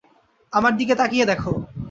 আমার দিকে তাকিয়ে দেখ।